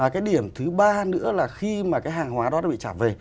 cái điểm thứ ba nữa là khi mà cái hàng hóa đó nó bị trả về